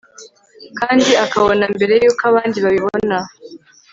kandi akabona mbere yuko abandi babibona